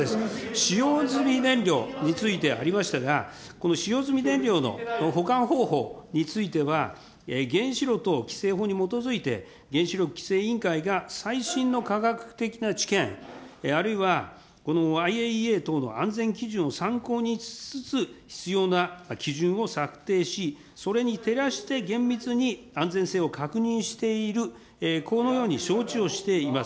使用済み燃料についてありましたが、この使用済み燃料の保管方法については、原子炉等規制法に基づいて、原子力規制委員会が最新の科学的な知見、あるいはＩＡＥＡ等の安全基準を参考にしつつ、必要な基準を策定し、それに照らして厳密に、安全性を確認している、このように承知をしています。